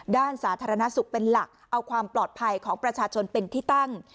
ด้านสาธารณสุขเป็นหลักเอาความปลอดภัยของประชาชนเป็นที่ตั้ง